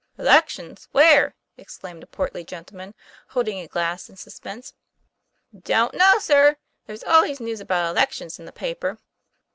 "Elections! where?" exclaimed a portly gentle man, holding a glass in suspense. ' Don't know, sir. There's always news about elections in the paper."